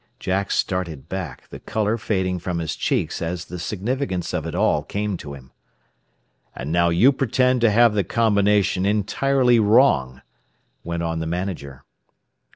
Jack started back, the color fading from his cheeks as the significance of it all came to him. "And now you pretend to have the combination entirely wrong," went on the manager.